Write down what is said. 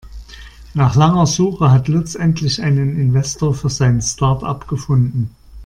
Nach langer Suche hat Lutz endlich einen Investor für sein Startup gefunden.